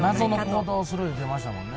謎の行動をする言うてましたもんね。